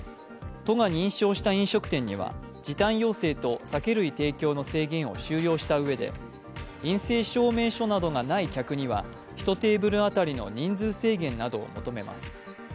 都が認証した飲食店には時短要請と酒類提供の制限を終了したうえで陰性証明書などがない客には１テーブル当たりの人数制限などを求めます。